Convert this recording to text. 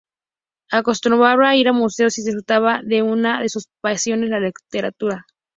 Acostumbraba ir a museos y disfrutaba de una de sus pasiones, la lectura.